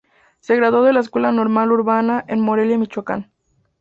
Se graduó de la Escuela Normal Urbana en Morelia Michoacán.